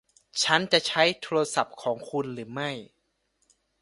ฉันจะใช้โทรศัพท์ของคุณหรือไม่